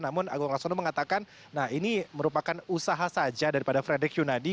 namun agung laksono mengatakan nah ini merupakan usaha saja daripada frederick yunadi